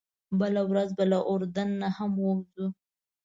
بله ورځ به له اردن نه هم ووځو.